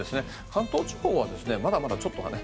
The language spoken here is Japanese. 関東地方はまだちょっとね。